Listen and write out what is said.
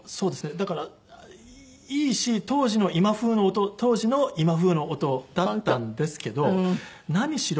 だからいいし当時の今風の音だったんですけど何しろ